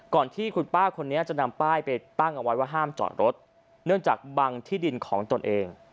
ที่คุณป้าคนนี้จะนำป้ายไปตั้งเอาไว้ว่าห้ามจอดรถเนื่องจากบังที่ดินของตนเอง